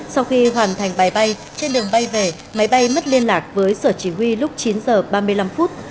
sau khi hoàn thành bài bay trên đường bay về máy bay mất liên lạc với sở chỉ huy lúc chín giờ ba mươi năm phút